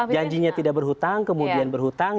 janjinya tidak berhutang kemudian berhutang